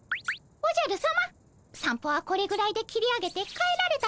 おじゃるさま散歩はこれぐらいで切り上げて帰られた